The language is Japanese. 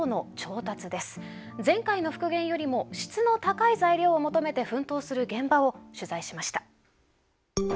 前回の復元よりも質の高い材料を求めて奮闘する現場を取材しました。